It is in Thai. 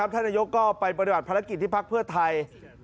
ท่านนายกก็ไปปฏิบัติภารกิจที่พักเพื่อไทย